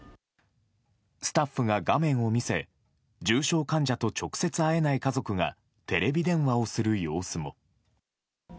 スタッフが画面を見せ、重症患者と直接会えない家族がテレビ電話をする様子も。